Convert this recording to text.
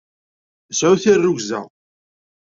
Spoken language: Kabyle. Sɛu tirrugza!